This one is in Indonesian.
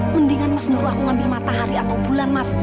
mendingan mas nyuruh aku ngambil matahari atau bulan mas